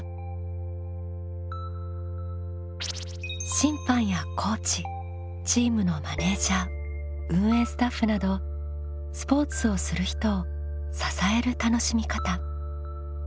審判やコーチチームのマネージャー運営スタッフなどスポーツをする人を「支える」楽しみ方。